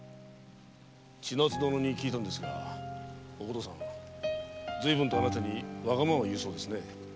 千奈津殿に聞いたんですがお琴さんはずいぶんとあなたにわがままを言うそうですね。